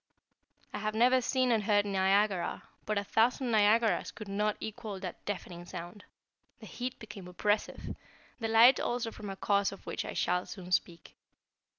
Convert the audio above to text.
I have seen and heard Niagara, but a thousand Niagaras could not equal that deafening sound. The heat became oppressive. The light also from a cause of which I shall soon speak.